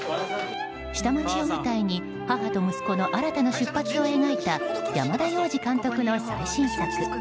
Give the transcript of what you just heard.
下町を舞台に母と息子の新たな出発を描いた山田洋次監督の最新作。